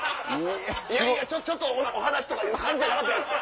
「ちょっとお話」とかいう感じじゃなかったですよ。